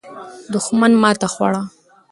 دښمن ماته خوړله.